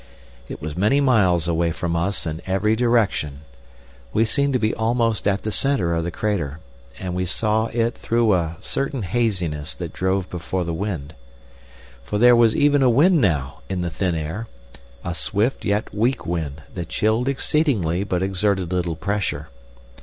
It was many miles away from us in every direction; we seemed to be almost at the centre of the crater, and we saw it through a certain haziness that drove before the wind. For there was even a wind now in the thin air, a swift yet weak wind that chilled exceedingly but exerted little pressure.